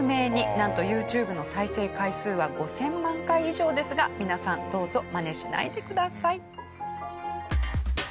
なんとＹｏｕＴｕｂｅの再生回数は５０００万回以上ですが皆さんどうぞマネしないでください。